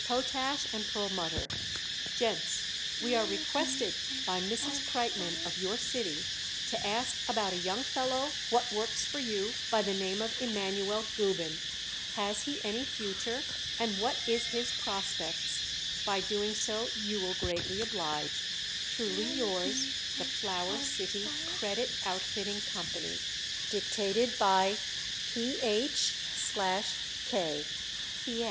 POTASH & PERLMUTTER. Gents: We are requested by Mrs. Kreitmann of your city to ask about a young fellow what works for you by the name of Emanuel Gubin. Has he any future, and what is his prospects? By doing so you will greatly oblige Truly yours, THE FLOWER CITY CREDIT OUTFITTING CO. Dic. PH/K P. S.